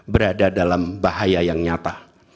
berada dalam bahaya yang nyata